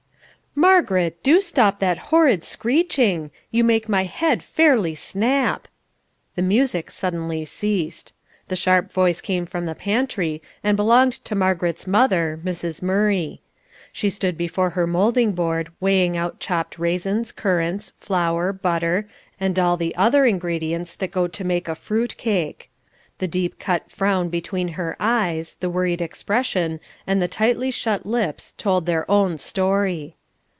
"Margaret, do stop that horrid screeching! You make my head fairly snap." The music suddenly ceased. The sharp voice came from the pantry, and belonged to Margaret's mother, Mrs. Murray. She stood before her moulding board weighing out chopped raisins, currants, flour, butter, and all the other ingredients that go to make a fruit cake. The deep cut frown between her eyes, the worried expression, and the tightly shut lips told their own story.